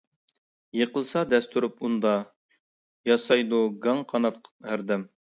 يىقىلسا دەس تۇرۇپ ئۇندا، ياسايدۇ گاڭ قانات ھەردەم.